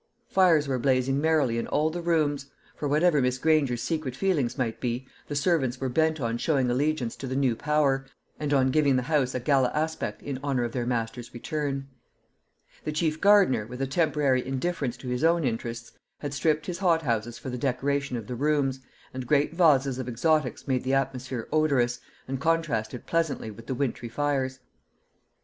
Fires were blazing merrily in all the rooms; for, whatever Miss Granger's secret feelings might be, the servants were bent on showing allegiance to the new power, and on giving the house a gala aspect in honour of their master's return. The chief gardener, with a temporary indifference to his own interests, had stripped his hothouses for the decoration of the rooms, and great vases of exotics made the atmosphere odorous, and contrasted pleasantly with the wintry fires.